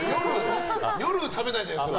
夜、食べないんじゃないですか。